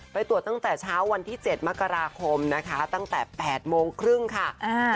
ไปตรวจตั้งแต่เช้าวันที่เจ็ดมกราคมนะคะตั้งแต่๘โมงครึ่งค่ะ